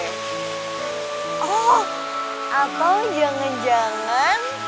oh atau jangan jangan